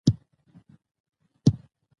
افغانستان د ژبې په اړه علمي څېړنې لري.